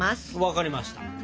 わかりました。